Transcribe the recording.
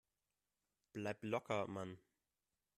Bleib locker, Mann!